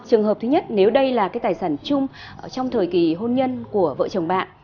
trường hợp thứ nhất nếu đây là tài sản chung trong thời kỳ hôn nhân của vợ chồng bạn